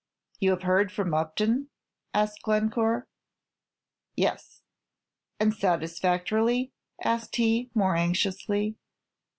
"You have heard from Upton?" asked Glencore. "Yes." "And satisfactorily?" asked he, more anxiously.